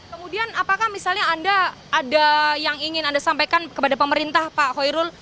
kemudian apakah misalnya anda ada yang ingin anda sampaikan kepada pemerintah pak hoirul